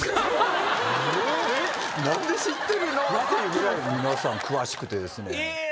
何で知ってるの？っていうぐらい皆さん詳しくてですね。